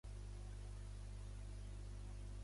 Luis Benedico Siso va ser un futbolista nascut a Barcelona.